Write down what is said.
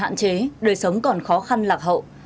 hạn chế đời sống còn khó khăn lạc hậu